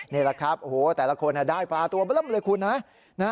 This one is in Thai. นี่แหละครับโอ้โหแต่ละคนได้ปลาตัวเบล่มเลยคุณนะ